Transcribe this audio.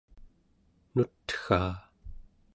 nutgaa